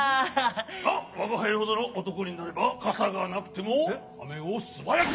まあわがはいほどのおとこになればかさがなくてもあめをすばやく。